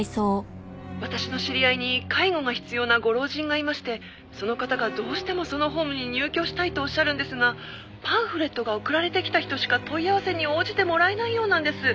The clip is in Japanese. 「私の知り合いに介護が必要なご老人がいましてその方がどうしてもそのホームに入居したいと仰るんですがパンフレットが送られてきた人しか問い合わせに応じてもらえないようなんです」